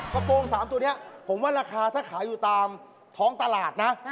กระโปรง๓ตัวนี้ผมว่าราคาถ้าขายอยู่ตามท้องตลาดนะ